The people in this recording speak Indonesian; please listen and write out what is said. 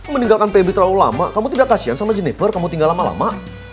meninggalkan pb terlalu lama kamu tidak kasian sama jennifer kamu tinggal lama lama